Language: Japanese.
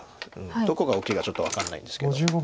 どこが大きいかちょっと分かんないんですけど。